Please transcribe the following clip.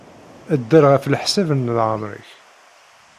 Dder ɣef leḥsab n leɛmeṛ-nnek.